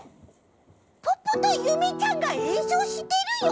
ポッポとゆめちゃんがえんそうしてるよ！